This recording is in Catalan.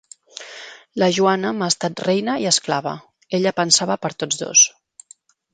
La Joana m’ha estat reina i esclava; ella pensava per tots dos.